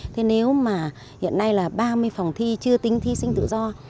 thế nếu mà hiện nay là ba mươi phòng thi chưa tính thi sinh tự do